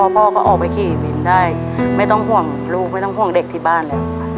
พ่อก็ออกไปขี่วินได้ไม่ต้องห่วงลูกไม่ต้องห่วงเด็กที่บ้านแล้ว